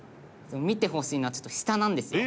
見てほしいのはちょっと下なんですよ。